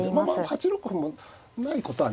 ８六歩もないことはないです。